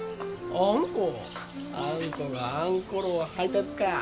あんこがあんころを配達か。